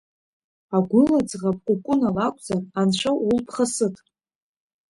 Агәыла ӡӷаб Кәыкәына лакәзар, Анцәа, улԥха сыҭ!